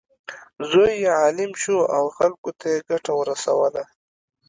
زوی یې عالم شو او خلکو ته یې ګټه ورسوله.